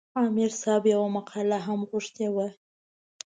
عامر صاحب یوه مقاله هم غوښتې وه.